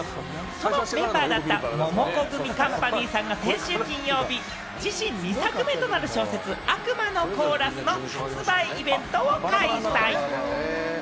そのメンバーだったモモコグミカンパニーさんが先週金曜日、自身２作目となる小説『悪魔のコーラス』の発売イベントを開催。